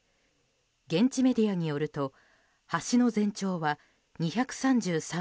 現地メディアによると橋の全長は２３３ｍ。